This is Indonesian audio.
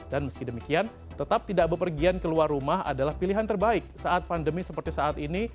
dan meski demikian tetap tidak bepergian keluar rumah adalah pilihan terbaik saat pandemi seperti saat ini